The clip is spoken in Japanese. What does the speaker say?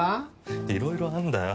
いろいろあんだよ。